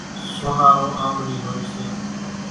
سونارو آنٻڙِي هوئيَ سي۔